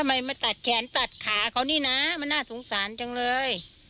มันน่าสงสารจังเลย